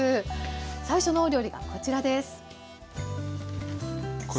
最初のお料理がこちらです。